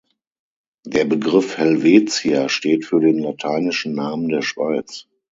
Der Begriff „Helvetia“ steht für den lateinischen Namen der Schweiz.